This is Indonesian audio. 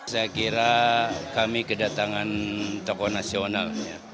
saya kira kami kedatangan tokoh nasional